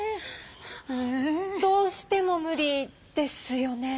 どうしても無理ですよね？